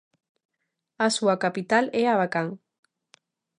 A súa capital é Abakán.